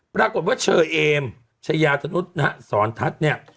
ปรากฏว่าเชอเอมชายาธนุษย์นะฮะสอนทัศน์เนี่ย